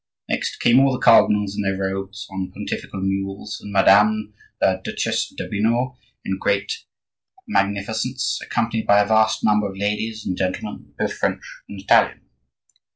Next came all the cardinals in their robes, on pontifical mules, and Madame la Duchesse d'Urbino in great magnificence, accompanied by a vast number of ladies and gentlemen, both French and Italian.